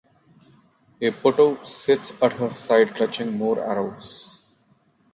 A putto sits at her side clutching more arrows.